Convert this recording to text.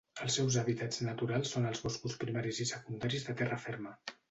Els seus hàbitats naturals són els boscos primaris i secundaris de terra ferma.